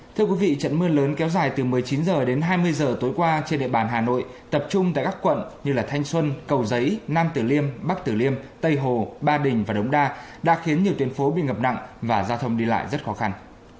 thưa quý vị trận mưa lớn kéo dài từ một mươi chín h đến hai mươi h tối qua trên địa bàn hà nội tập trung tại các quận như thanh xuân cầu giấy nam tử liêm bắc tử liêm tây hồ ba đình và đống đa đã khiến nhiều tuyến phố bị ngập nặng và giao thông đi lại rất khó khăn